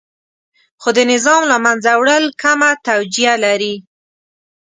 خو د نظام له منځه وړل کمه توجیه لري.